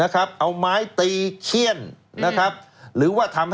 ขับรถพลุคชนนะครับโดยที่